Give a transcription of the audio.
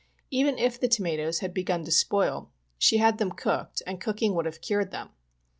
Even if the tomatoes had begun to spoil she had them cooked, and cooking would have cured them.